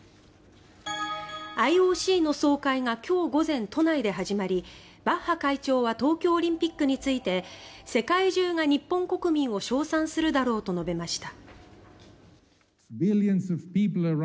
ＩＯＣの総会が今日午前、都内で始まりバッハ会長は東京オリンピックについて世界中が日本国民を称賛するだろうと述べました。